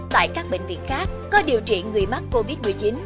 tại các bệnh viện khác có điều trị người mắc covid một mươi chín